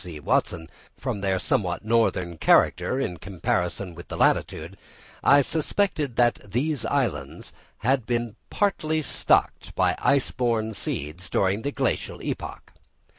C. Watson) from their somewhat northern character, in comparison with the latitude, I suspected that these islands had been partly stocked by ice borne seeds during the Glacial epoch.